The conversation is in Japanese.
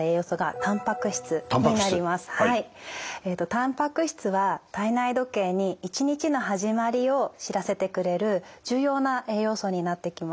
たんぱく質は体内時計に一日の始まりを知らせてくれる重要な栄養素になってきます。